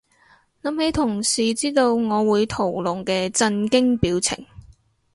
諗起同事知道我會屠龍嘅震驚表情